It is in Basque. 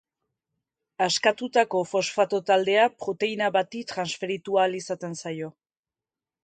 Askatutako fosfato taldea proteina bati transferitu ahal izaten zaio.